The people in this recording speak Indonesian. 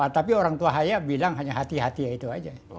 tapi orang tua saya bilang hanya hati hati ya itu aja